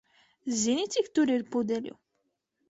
Zini, cik tur ir pudeļu?